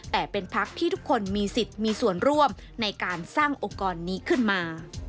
แต่เป็นพักที่ทุกคนมีสิทธิ์มีส่วนร่วมในการสร้างองค์กรนี้ขึ้นมา